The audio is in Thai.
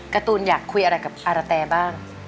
การ์ตูนอยากคุยอะไรกับอาระแตบ้าง